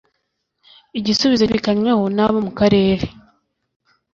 igisubizo cyumvikanyweho n'abo mu karere.